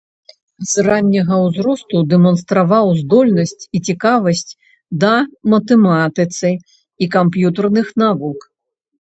З ранняга ўзросту дэманстраваў здольнасць і цікавасць да матэматыцы і камп'ютарных навук.